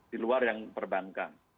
di luar yang perbankan